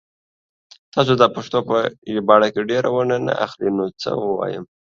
تاسو دا پښتو په ژباړه کې ډيره ونډه نه اخلئ نو څه ووايم